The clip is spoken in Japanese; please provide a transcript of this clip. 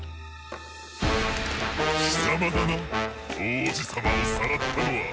きさまだな王子様をさらったのは。